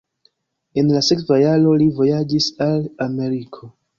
En la sekva jaro li vojaĝis al Ameriko.